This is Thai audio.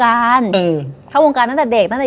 และยินดีต้อนรับทุกท่านเข้าสู่เดือนพฤษภาคมครับ